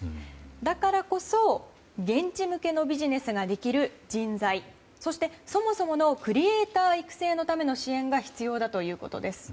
だからこそ現地向けのビジネスができる人材そしてクリエーター育成のための支援が必要だということです。